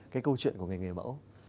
cái câu chuyện của người mẫu